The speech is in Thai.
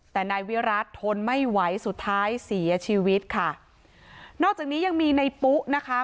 แต่นายวิรัติทนไม่ไหวสุดท้ายเสียชีวิตค่ะนอกจากนี้ยังมีในปุ๊นะคะ